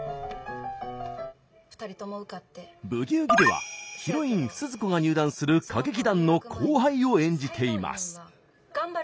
「ブギウギ」ではヒロイン鈴子が入団する歌劇団の後輩を演じています。